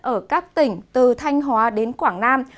ở các tỉnh từ thanh hóa đến quảng nam